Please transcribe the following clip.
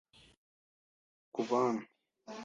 Ndashaka kuva hano!